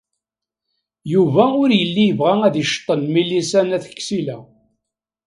Yuba ur yelli yebɣa ad iceṭṭen Milisa n At Ksila.